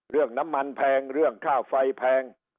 เรื่องน้ำมันแพงเรื่องค่าไฟแพง